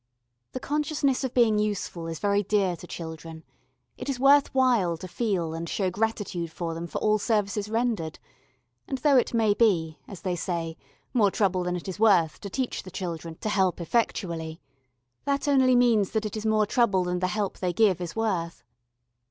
The consciousness of being useful is very dear to children it is worth while to feel and to show gratitude to them for all services rendered, and though it may be, as they say, more trouble than it is worth to teach the children to help effectually, that only means that it is more trouble than the help they give is worth.